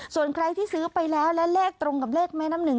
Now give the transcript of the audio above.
ส่วนใครที่ซื้อไปแล้วและเลขตรงกับเลขแม่น้ำหนึ่ง